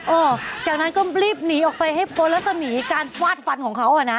เออจากนั้นก็รีบหนีออกไปให้พ้นรัศมีการฟาดฟันของเขาอ่ะนะ